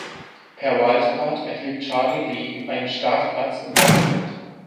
Per Wildcard erhielt Charlie Lee einen Startplatz im Hauptfeld.